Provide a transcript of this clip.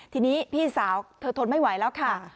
ทีนี้พี่สาวเธอทนไม่ไหวแล้วค่ะ